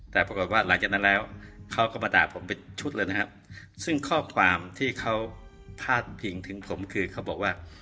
แต่ปรากฏว่าหลังจากนั้นแล้วเขาก็มาด่าผมเป็นชุดเลยนะครับซึ่งข้อความที่เขาพาดพิงถึงผมคือเขาบอกว่า